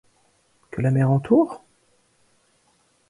Que la mer entoure ?…